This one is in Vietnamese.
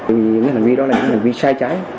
vì những hành vi đó là những hành vi sai trái